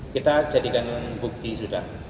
kita jadikan bukti sudah